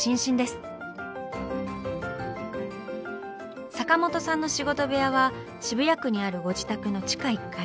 坂本さんの仕事部屋は渋谷区にあるご自宅の地下１階。